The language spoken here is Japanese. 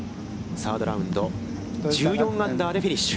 サードラウンド、１４アンダーでフィニッシュ。